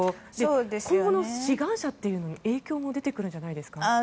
今後の志願者というのに影響も出てくるんじゃないですか。